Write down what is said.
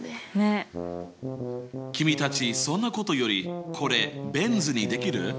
君たちそんなことよりこれベン図にできる？